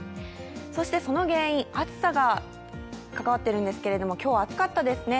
そして、その原因、暑さが関わっているんですけれども、今日、暑かったですね。